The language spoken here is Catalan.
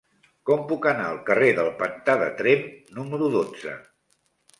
Com puc anar al carrer del Pantà de Tremp número dotze?